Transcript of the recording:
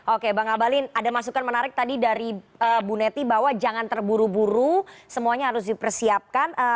oke bang abalin ada masukan menarik tadi dari bu neti bahwa jangan terburu buru semuanya harus dipersiapkan